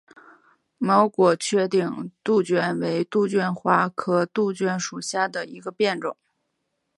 毛果缺顶杜鹃为杜鹃花科杜鹃属下的一个变种。